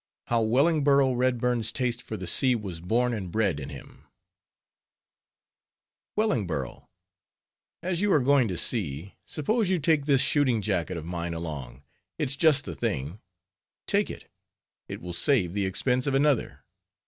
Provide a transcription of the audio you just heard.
HOW WELLINGBOROUGH REDBURN'S TASTE FOR THE SEA WAS BORN AND BRED IN HIM "Wellingborough, as you are going to sea, suppose you take this shooting jacket of mine along; it's just the thing—take it, it will save the expense of another.